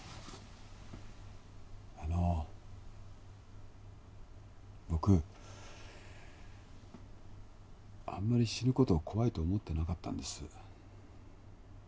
あの僕あんまり死ぬこと怖いと思ってなかったんです